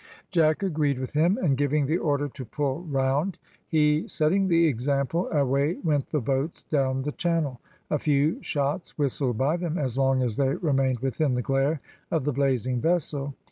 Jack agreed with him, and, giving the order to pull round, he setting the example, away went the boats down the channel. A few shots whistled by them as long as they remained within the glare of the blazing vessel.